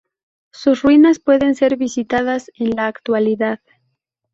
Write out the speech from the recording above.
Sus ruinas pueden ser visitadas en la actualidad.